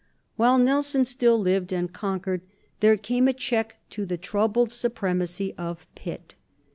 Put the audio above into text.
While Nelson still lived and conquered, there came a check to the troubled supremacy of Pitt.